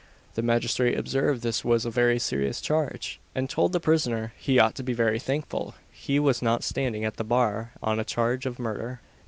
The magistrate observed this was a very serious charge, and told the prisoner he ought to be very thankful he was not standing at that bar on a charge of murder.